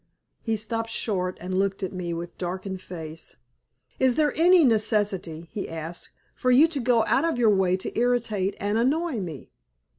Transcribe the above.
He stopped short, and looked at me with darkened face. "Is there any necessity," he asked, "for you to go out of your way to irritate and annoy me?"